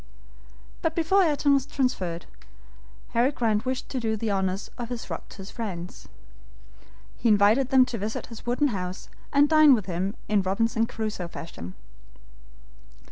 But before Ayrton was transferred, Harry Grant wished to do the honors of his rock to his friends. He invited them to visit his wooden house, and dine with him in Robinson Crusoe fashion.